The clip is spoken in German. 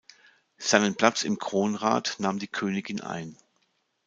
Seinen Platz im Kronrat nahm die Königin ein.